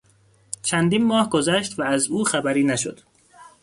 چندین ماه گذشت و از او خبری نشد.